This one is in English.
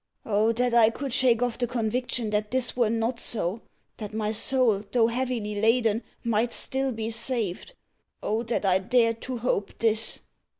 "Oh, that I could shake off the conviction that this were not so that my soul, though heavily laden, might still be saved! Oh, that I dared to hope this!"